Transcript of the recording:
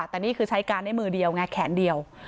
แต่นี่คือใช้การได้มือเดียวไงแขนเดียว